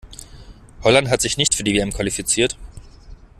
Holland hat sich nicht für die WM qualifiziert.